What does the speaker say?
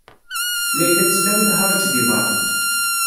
Layla tesla i lharaǧ di beṛṛa.